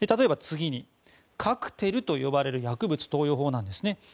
次にカクテルと呼ばれる薬物投与法なんですね。